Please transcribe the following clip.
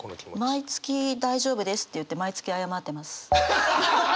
毎月「大丈夫です」って言って毎月謝ってます。